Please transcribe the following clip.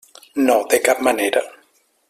No, de cap manera.